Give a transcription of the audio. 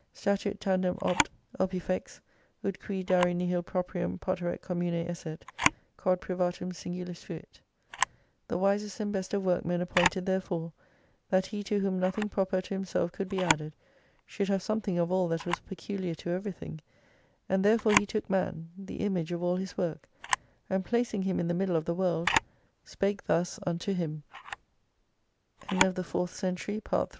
Statuit tandem opt. Opifex, ut cut dari nihil proprium poterat commune esset, quod privatum singulis fuit: The v/isest and best of workmen ap pointed therefore, that he to whom nothing proper to himself could be added, should have something of all that was peculiar to everything, and therefore he took man, the Image of all His work, and placing him in the middle of the world, spake thus unto him, — 76 O Adam, we have given th